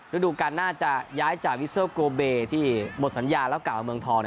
ฤดูการน่าจะย้ายจากวิสเตอร์โกเบที่หมดสัญญาแล้วกลับมาเมืองทอง